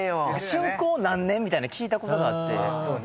竣工何年みたいな聞いたことがあって。